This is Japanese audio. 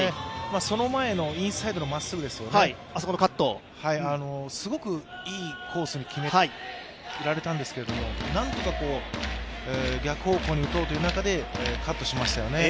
その前のインサイドのまっすぐ、あそこのカット、すごくいいコースに決められたんですけども、すごくいいコースに決められたんですけど、なんとか逆方向に打とうという中でカットしましたよね。